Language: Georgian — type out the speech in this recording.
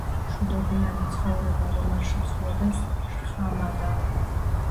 მშვიდობიანი ცხოვრება რომ არ შეცვლოდეს შხამადა